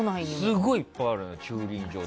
すごいいっぱいあるの駐輪場って。